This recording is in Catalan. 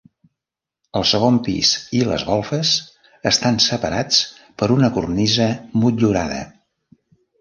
El segon pis i les golfes estan separats per una cornisa motllurada.